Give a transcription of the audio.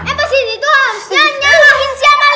eh pak siti tuh hampir nyangahin si amelie